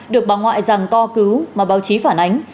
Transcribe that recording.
được bà ngoại rằng co cứu mà báo chí phản ánh